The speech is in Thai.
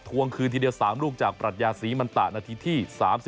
วงคืนทีเดียว๓ลูกจากปรัชญาศรีมันตะนาทีที่๓๒